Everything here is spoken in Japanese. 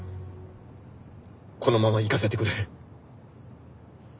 このまま行かせてくれ。